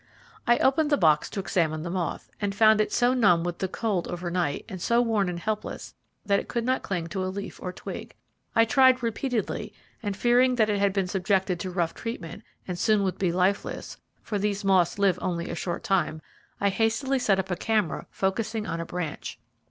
I opened the box to examine the moth, and found it so numb with the cold over night, and so worn and helpless, that it could not cling to a leaf or twig. I tried repeatedly, and fearing that it had been subjected to rough treatment, and soon would be lifeless, for these moths live only a short time, I hastily set up a camera focusing on a branch.